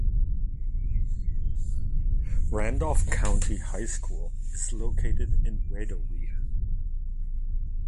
Randolph County High School is located in Wedowee.